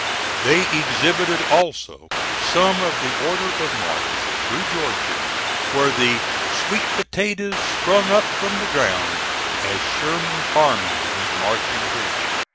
They exhibited also some of the order of march through Georgia where the "sweet potatoes sprung up from the ground" as Sherman's army went marching through.